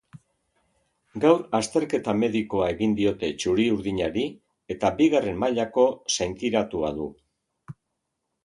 Gaur azteketa medikoa egin diote txuri-urdinari, eta bigarren mailako zaintiratua du.